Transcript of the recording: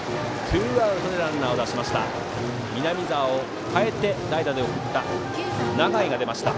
ツーアウトでランナーを出しました。